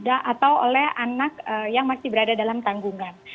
atau oleh anak yang masih berada dalam tanggungan